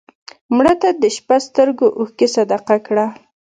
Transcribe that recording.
مړه ته د شپه سترګو اوښکې صدقه کړه